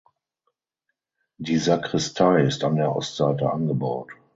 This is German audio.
Die Sakristei ist an der Ostseite angebaut.